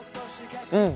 うん！